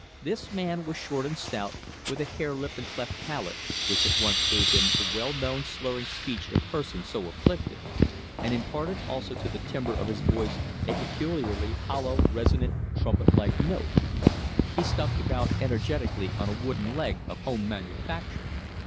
This man was short and stout, with a harelip and cleft palate, which at once gave him the well known slurring speech of persons so afflicted, and imparted also to the timbre of his voice a peculiarly hollow, resonant, trumpet like note. He stumped about energetically on a wooden leg of home manufacture.